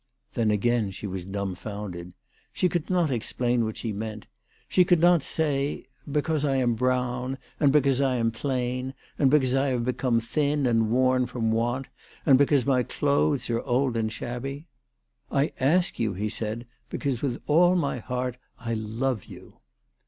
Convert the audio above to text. Then again she was dumfounded. She could not explain what she meant. She could not say, JL J ' because I am brown, and because I am plain, and be cause I have become thin and worn from want, and because my clothes are old and shabby. "I ask you," he said, " because with all my heart I love you."